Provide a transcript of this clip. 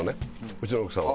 うちの奥さんは。